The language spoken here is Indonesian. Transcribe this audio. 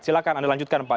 silakan anda lanjutkan pak